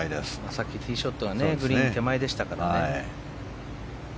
さっきティーショットがグリーン手前でしたからね。